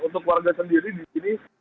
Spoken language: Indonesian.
untuk warga sendiri di sini